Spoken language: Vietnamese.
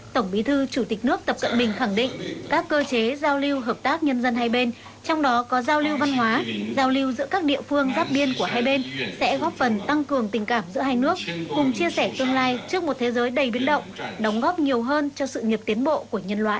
tổng bí thư chủ tịch nước tập cận bình khẳng định các cơ chế giao lưu hợp tác nhân dân hai bên trong đó có giao lưu văn hóa giao lưu giữa các địa phương giáp biên của hai bên sẽ góp phần tăng cường tình cảm giữa hai nước cùng chia sẻ tương lai trước một thế giới đầy biến động đóng góp nhiều hơn cho sự nghiệp tiến bộ của nhân loại